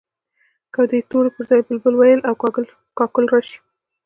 که د دې تورو پر ځای بلبل، وېل او کاکل راشي.